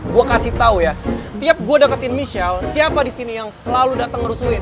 gue kasih tau ya tiap gue deketin michelle siapa disini yang selalu dateng ngerusuin